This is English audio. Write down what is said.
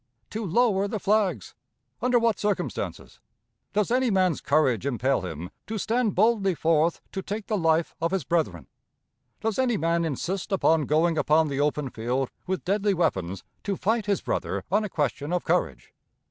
To lower the flags! Under what circumstances? Does any man's courage impel him to stand boldly forth to take the life of his brethren? Does any man insist upon going upon the open field with deadly weapons to fight his brother on a question of courage?